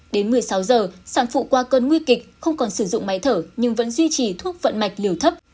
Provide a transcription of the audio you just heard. đến một mươi sáu giờ sản phụ qua cơn nguy kịch không còn sử dụng máy thở nhưng vẫn duy trì thuốc vận mạch liều thấp